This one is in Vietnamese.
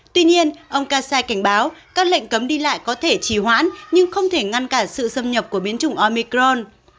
tuy nhiên ông kassai cảnh báo các lệnh cấm đi lại có thể trì hoãn nhưng không thể ngăn cản sự xâm nhập của biến chủng omicron